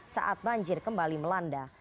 saat banjir kembali melanda